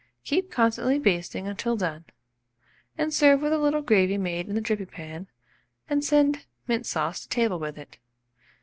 Keep constantly basting until done, and serve with a little gravy made in the dripping pan, and send mint sauce to table with it.